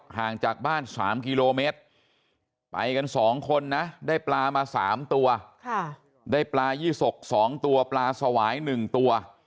ห่างจากบ้าน๓กิโลเมตรไปกัน๒คนนะได้ปลามา๓ตัวได้ปลายี่สก๒ตัวปลาสวาย๑ตัว